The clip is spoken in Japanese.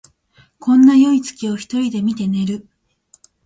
こんなよい月を一人で見て寝る